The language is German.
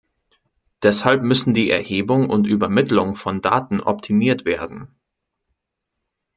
Deshalb müssen die Erhebung und Übermittlung von Daten optimiert werden.